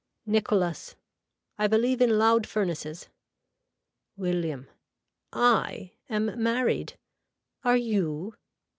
(Nicholas.) I believe in loud furnaces. (William.) I am married. Are you.